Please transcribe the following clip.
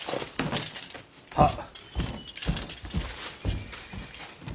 はっ。